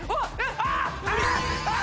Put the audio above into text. あっ！